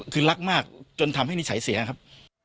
คือรักมากจนทำให้นิสัยเสียครับ